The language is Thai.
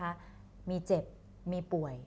มีเจ็บมีป่วย